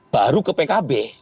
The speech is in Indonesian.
baru ke pkb